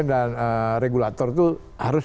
dan regulator itu harus